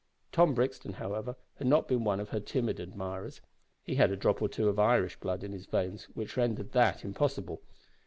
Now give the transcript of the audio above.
Tom Brixton, however, had not been one of her timid admirers. He had a drop or two of Irish blood in his veins which rendered that impossible!